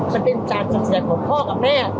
มันเป็นการจัดสินใจของพ่อกับแม่